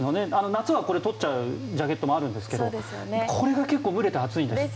夏はこれを取っちゃうジャケットもあるんですけどもこれが結構蒸れて暑いんです。